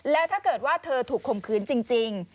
แล้วถ้าเกิดว่าเธอถูกข่มขืนจริง